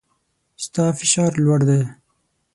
ستا فشار لوړ دی